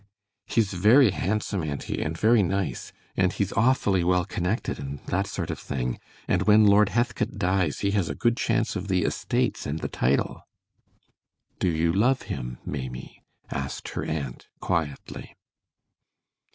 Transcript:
"He's very handsome, auntie, and very nice, and he's awfully well connected, and that sort of thing, and when Lord Heathcote dies he has a good chance of the estates and the title." "Do you love him, Maimie?" asked her aunt, quietly.